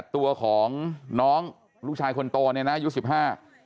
ตัวของน้องลูกชายคนโตเนี่ยนะอายุสิบห้า